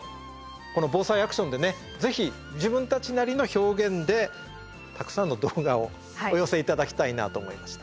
この「ＢＯＳＡＩアクション」でねぜひ自分たちなりの表現でたくさんの動画をお寄せ頂きたいなと思いました。